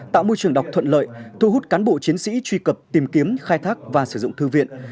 tạo môi trường đọc thuận lợi thu hút cán bộ chiến sĩ truy cập tìm kiếm khai thác và sử dụng thư viện